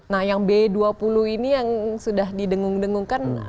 nah yang b dua puluh ini yang sudah didengung dengungkan